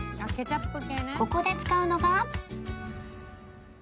ここで使うのが